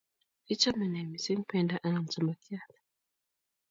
Ichome ne Missing?pendo anan samakyat